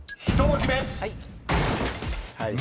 ［３文字目］